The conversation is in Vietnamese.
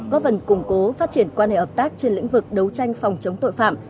góp phần củng cố phát triển quan hệ hợp tác trên lĩnh vực đấu tranh phòng chống tội phạm